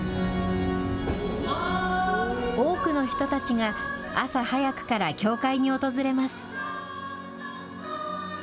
多くの人たちが朝早くから教会に訪れます。